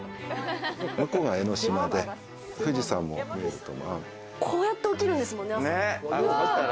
向こうが江の島で、富士山も見えると思う。